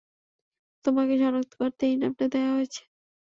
তোমাকে সনাক্ত করতে এই নামটা দেয়া হয়েছে।